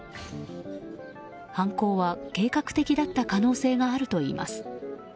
犯行は計画的だった可能性があるといいます。